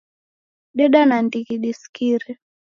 Deda nandighi disikire